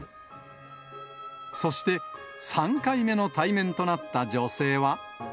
そして、３回目の対面となった女性は。